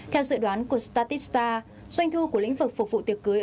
theo dự đoán của statista doanh thu của lĩnh vực phục vụ tiệc cưới